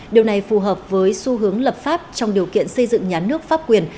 điều này phù hợp với xu hướng lập pháp trong điều kiện xây dựng nhà nước pháp quyền